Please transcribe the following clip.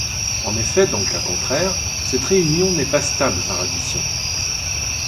En effet, dans le cas contraire, cette réunion n'est pas stable par addition.